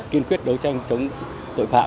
kiên quyết đấu tranh chống tội phạm